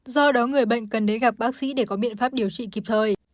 do đó người bệnh cần đến gặp bác sĩ để có biện pháp điều trị kịp thời